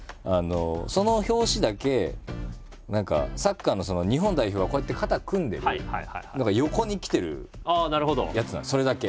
その表紙だけ何かサッカーの日本代表がこうやって肩組んでるのが横に来てるやつなんですそれだけ。